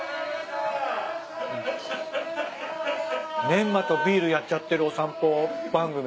メンマとビールやっちゃってるお散歩番組。